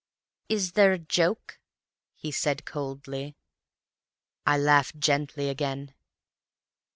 "Is there a joke?" he said coldly. "I laughed gently again.